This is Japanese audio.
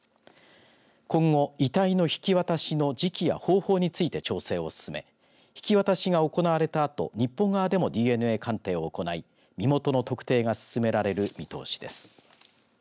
今後、遺体の引き渡しの時期や方法について調整を進め引き渡しが行われたあと日本側でもＤＮＡ鑑定を行い身元の特定が進められる見通しです。